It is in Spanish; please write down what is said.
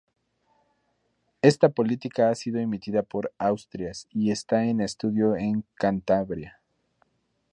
Esta política ha sido imitada por Asturias y está en estudio en Cantabria.